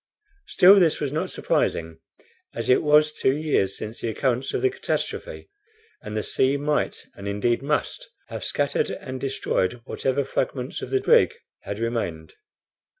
Still this was not surprising, as it was two years since the occurrence of the catastrophe, and the sea might, and indeed must, have scattered and destroyed whatever fragments of the brig had remained.